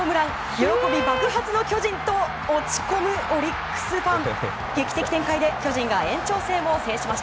喜び爆発の巨人と落ち込むオリックスファン。